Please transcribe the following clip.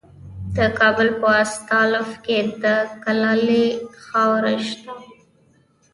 د کابل په استالف کې د کلالي خاوره شته.